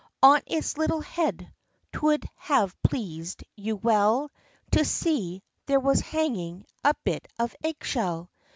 On its little head — 'twould have pleased you well To see — there was hanging a bit of egg shell.